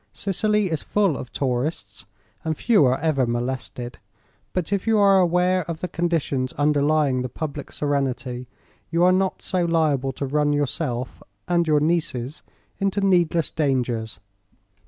Sicily is full of tourists, and few are ever molested; but if you are aware of the conditions underlying the public serenity you are not so liable to run yourself and your nieces into needless dangers.'